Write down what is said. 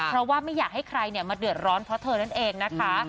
เพราะว่าไม่อยากให้ใครมาเดือดร้อนเพราะเธอนั่นเองนะคะ